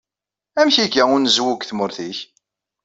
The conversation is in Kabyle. Amek yega unezwu deg tmurt-ik?